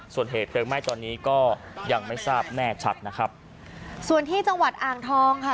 ส่วนเหตุเพลิงไหม้ตอนนี้ก็ยังไม่ทราบแน่ชัดนะครับส่วนที่จังหวัดอ่างทองค่ะ